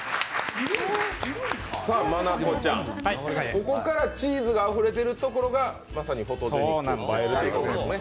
ここからチーズがあふれているところがまさにフォトジェニック、映えるということですね。